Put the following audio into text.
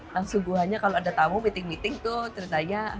langsung buahnya kalau ada tamu meeting meeting tuh ceritanya